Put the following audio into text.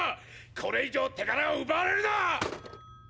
これ以上手柄を奪われるな！！